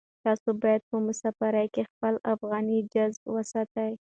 تاسو باید په مسافرۍ کې خپله افغاني جذبه وساتئ.